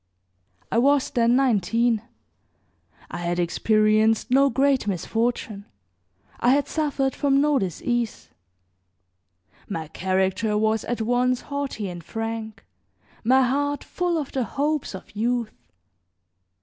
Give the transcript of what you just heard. I was then nineteen; I had experienced no great misfortune, I had suffered from no disease; my character was at once haughty and frank, my heart full of the hopes of youth.